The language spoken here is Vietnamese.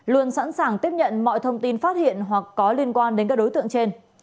luôn sẵn sàng tiếp nhận mọi thông tin phát hiện hoặc có liên quan đến các đối tượng trên